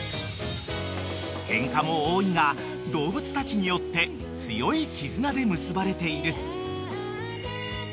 ［ケンカも多いが動物たちによって強い絆で結ばれている］